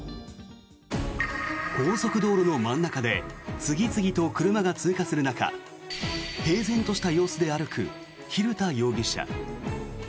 高速道路の真ん中で次々と車が通過する中平然とした様子で歩く蛭田容疑者。